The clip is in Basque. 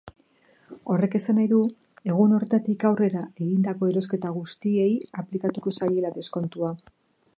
Horrek esan nahi du egun horretatik aurrera egindako erosketa guztiei aplikatuko zaiela deskontua.